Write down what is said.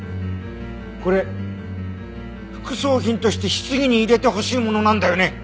これ副葬品として棺に入れてほしいものなんだよね？